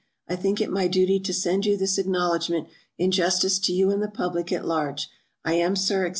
I think it my duty to send you this acknowledgement, in justice to you and the Public at large. I am, Sir, &c.